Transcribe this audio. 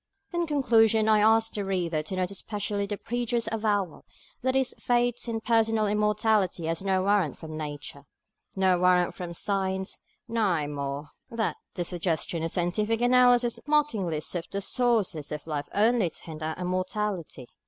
In conclusion, I ask the reader to note especially the preacher's avowal that his faith in personal immortality has no warrant from Nature, no warrant from Science; nay, more, that the suggestions of scientific analysis "mockingly sift the sources of life only to hint our mortality."